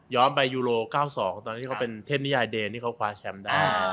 ไปยูโร๙๒ตอนที่เขาเป็นเทพนิยายเดนที่เขาคว้าแชมป์ได้